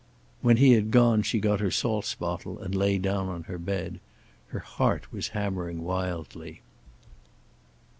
When he had gone she got her salts bottle and lay down on her bed. Her heart was hammering wildly.